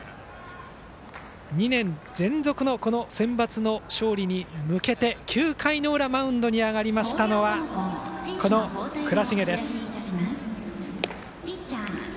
２年連続のセンバツの勝利に向けて９回の裏マウンドに上がりましたのは倉重です。